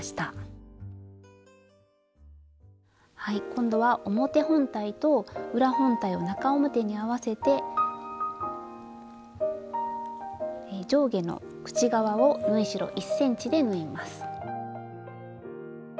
今度は表本体と裏本体を中表に合わせて上下の口側を縫い代１ｃｍで縫います。